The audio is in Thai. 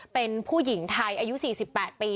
เป็นผู้หญิงไทยอายุ๔๘ปี